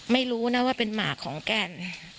ไม่รู้นะว่าเป็นหมากของแกน